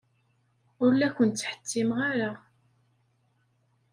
Ur la ken-ttḥettimeɣ ara.